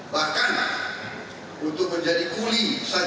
bahkan untuk menjadi kuli saja